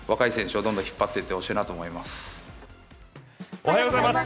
おはようございます。